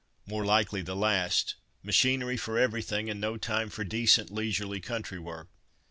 More likely the last. Machinery for everything, and no time for decent leisurely country work."